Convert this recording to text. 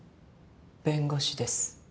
弁護士です。